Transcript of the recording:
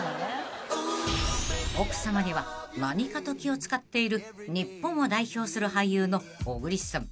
［奥さまには何かと気を使っている日本を代表する俳優の小栗さん］